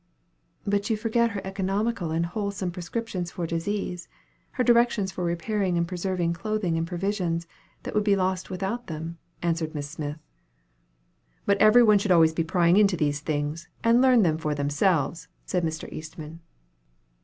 "But you forget her economical and wholesome prescriptions for disease, her directions for repairing and preserving clothing and provisions, that would be lost without them," answered Miss Smith. "But one should always be prying into these things, and learn them for themselves," said Mr. Eastman.